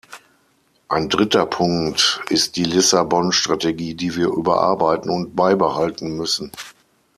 Ein dritter Punkt ist die Lissabon-Strategie, die wir überarbeiten und beibehalten müssen.